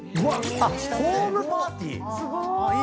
あっホームパーティー⁉すごーい。